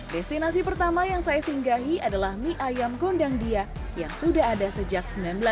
destinasi pertama yang saya singgahi adalah mie ayam gondang dia yang sudah ada sejak seribu sembilan ratus sembilan puluh